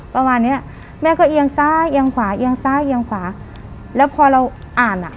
ประมาณเนี้ยแม่ก็เอียงซ้ายเอียงขวาเอียงซ้ายเอียงขวาแล้วพอเราอ่านอ่ะ